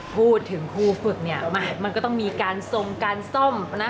พูดถึงครูฝึกเนี่ยมันก็ต้องมีการทรงการซ่อมนะ